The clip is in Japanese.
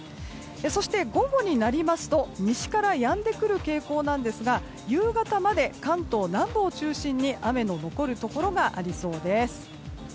そして午後になりますと西からやんでくる傾向ですが夕方まで関東南部を中心に雨の残るところがありそうです。